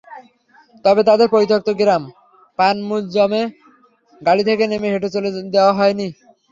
তবে তাঁদের পরিত্যক্ত গ্রাম পানমুনজমে গাড়ি থেকে নেমে হেঁটে চলতে দেওয়া হয়নি।